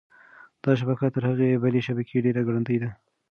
دا شبکه تر هغې بلې شبکې ډېره ګړندۍ ده.